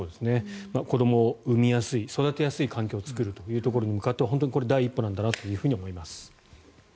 子どもを産みやすい、育てやすい環境を作るというところに向かって本当にこれが第一歩なんだなと思います。